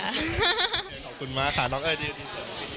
ขอบคุณมากค่ะน้องเอ๋ยดี